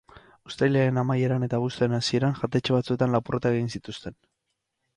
Uztailaren amaieran eta abuztuaren hasieran jatetxe batzuetan lapurretak egin zituzten.